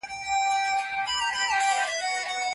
بهرنی سیاست د هیواد د سیاسي بریا او ثبات تضمین کوي.